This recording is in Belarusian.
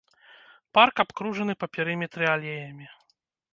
Парк абкружаны па перыметры алеямі.